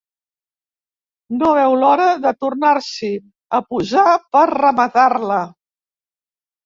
No veu l'hora de tornar-s'hi a posar per rematar-la.